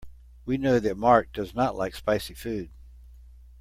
We know that Mark does not like spicy food.